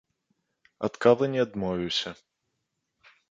Ад кавы не адмовіўся.